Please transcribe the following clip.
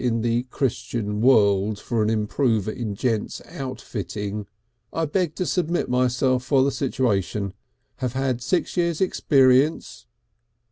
in the "Christian World" for an improver in Gents' outfitting I beg to submit myself for the situation. Have had six years' experience....